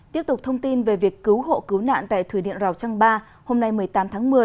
tiếp tục thông tin về việc cứu hộ cứu nạn tại thủy điện rào trang ba hôm nay một mươi tám tháng một mươi